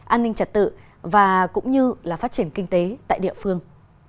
an ninh trật tự và cũng như là phát triển kinh tế tại địa phương